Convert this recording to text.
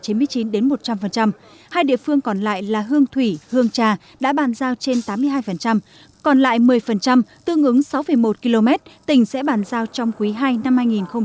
hai địa phương còn lại là hương thủy hương trà đã bàn giao trên tám mươi hai còn lại một mươi tương ứng sáu một km tỉnh sẽ bàn giao trong quý ii năm hai nghìn hai mươi